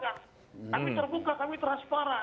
kami terbuka kami transparan